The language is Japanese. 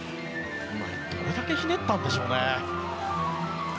どれだけひねったんでしょうね。